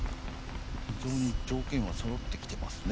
非常に条件はそろってきてますね。